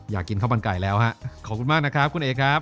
อยากกินข้าวมันไก่แล้วฮะขอบคุณมากนะครับคุณเอครับ